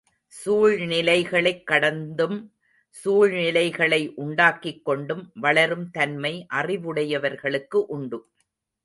சூழ்நிலைகளைக் கடந்தும் சூழ்நிலைகளை உண்டாக்கிக் கொண்டும் வளரும் தன்மை அறிவுடையவர்களுக்கு உண்டு.